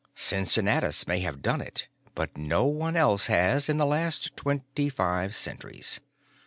Cincinnatus may have done it, but no one else has in the last twenty five centuries.